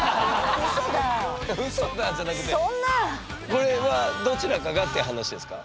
これはどちらかがって話ですか？